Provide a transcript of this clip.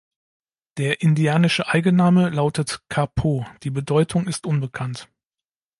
Der indianische Eigenname lautet "Ka`po", die Bedeutung ist unbekannt.